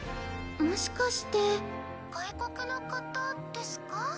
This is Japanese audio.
もしかして外国の方ですか？